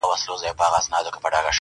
اورېدلي یې زاړه وراسته نکلونه،